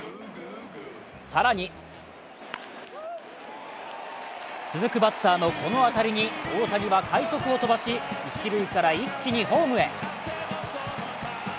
更に続くバッターのこの当たりに大谷は快足を飛ばし一塁から一気にホームへ。